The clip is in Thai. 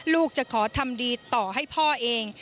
ลูกจะขอทำดีต่อให้พ่อเอง